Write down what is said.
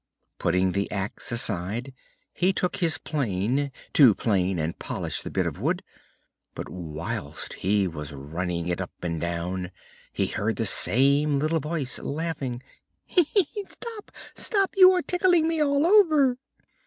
Putting the axe aside, he took his plane, to plane and polish the bit of wood; but whilst he was running it up and down he heard the same little voice say, laughing: "Stop! you are tickling me all over!"